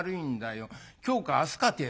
今日か明日かてえとこなの」。